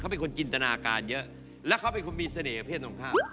เป็นคนจินตนาการเยอะแล้วเขาเป็นคนมีเสน่หเพศตรงข้าม